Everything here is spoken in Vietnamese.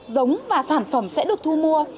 giống và sản phẩm sẽ được thu mua